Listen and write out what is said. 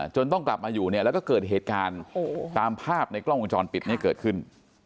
ต้องกลับมาอยู่เนี่ยแล้วก็เกิดเหตุการณ์ตามภาพในกล้องวงจรปิดเนี่ยเกิดขึ้น